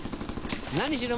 何しろ